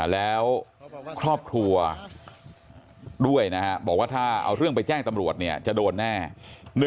แล้วครอบครัวด้วยนะฮะบอกว่าถ้าเอาเรื่องไปแจ้งตำรวจจะโดนแน่